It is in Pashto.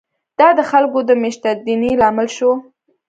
دا د خلکو د مېشتېدنې لامل شو.